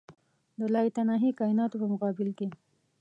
د لایتناهي کایناتو په مقابل کې.